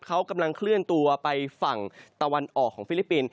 เขากำลังเคลื่อนตัวไปฝั่งตะวันออกของฟิลิปปินส